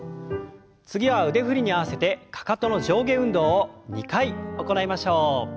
次は腕振りに合わせてかかとの上下運動を２回行いましょう。